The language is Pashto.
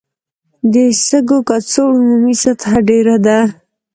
د سږو کڅوړو عمومي سطحه ډېره ده.